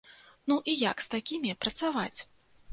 Ну і як з такімі працаваць?